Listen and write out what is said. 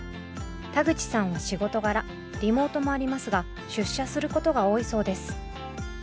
田口さんは仕事柄リモートもありますが出社することが多いそうです。